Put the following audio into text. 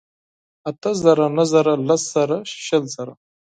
اتۀ زره ، نهه زره لس ژره شل زره